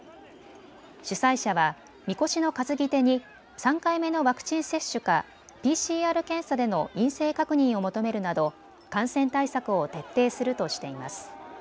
主催者は、みこしの担ぎ手に３回目のワクチン接種かＰＣＲ検査での陰性確認を求めるなど感染対策を徹底するとしています。